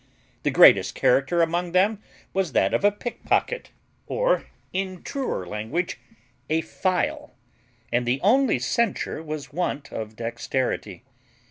The greatest character among them was that of a pickpocket, or, in truer language, a file; and the only censure was want of dexterity.